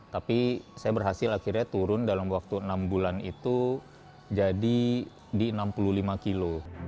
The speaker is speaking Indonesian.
tapi saya berhasil akhirnya turun dalam waktu enam bulan itu jadi di enam puluh lima kilo